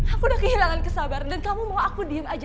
aku udah kehilangan kesabaran dan kamu mau aku diem aja